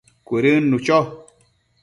Cuëdënnu cho